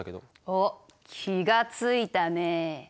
おっ気が付いたね。